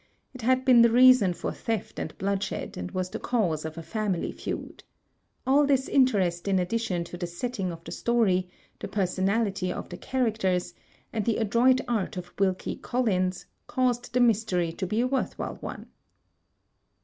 It had been the reason for theft and bloodshed, and was the cause of a family feud. All this interest in addition to the setting of the story, the per sonality of the characters and the adroit art of Wilkie Collins, causes the mystery to be a worth while one.